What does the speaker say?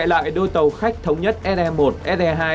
lại đôi tàu khách thống nhất se một se hai